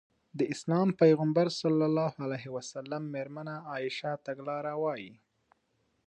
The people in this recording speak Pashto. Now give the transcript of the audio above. د اسلام پيغمبر ص مېرمنه عايشه تګلاره وايي.